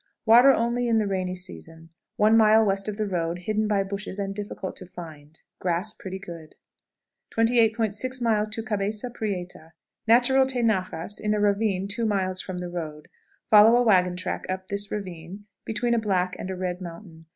Water only in the rainy season, one mile west of the road, hidden by bushes and difficult to find. Grass pretty good. 28.60. Cabeza Prieta. Natural tenajas in a ravine two miles from the road; follow a wagon track up this ravine between a black and a red mountain.